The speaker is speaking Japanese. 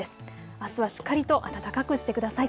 あすはしっかりと暖かくしてください。